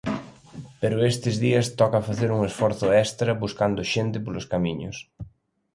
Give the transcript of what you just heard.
Pero estes días toca facer un esforzo extra buscando xente polos camiños.